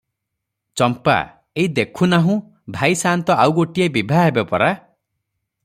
ଚମ୍ପା - ଏଇ ଦେଖୁନାହୁଁ, ଭାଇ ସାନ୍ତ ଆଉ ଗୋଟିଏ ବିଭା ହେବେ ପରା!